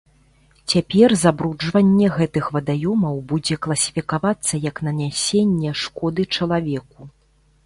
Цяпер забруджванне гэтых вадаёмаў будзе класіфікавацца як нанясенне шкоды чалавеку.